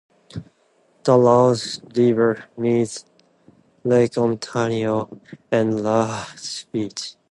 The Rouge River meets Lake Ontario at Rouge Beach.